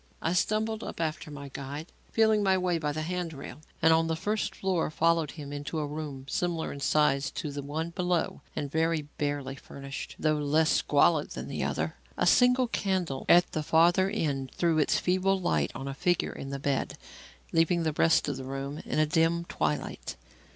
I stumbled up after my guide, feeling my way by the hand rail, and on the first floor followed him into a room similar in size to the one below and very barely furnished, though less squalid than the other. A single candle at the farther end threw its feeble light on a figure in the bed, leaving the rest of the room in a dim twilight.